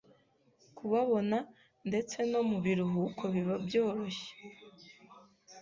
kubabona ndetse no mu biruhuko biba byoroshye